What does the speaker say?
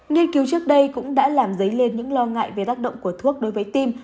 nghiên cứu trước đây cũng đã làm dấy lên những lo ngại về tác động của thuốc đối với tim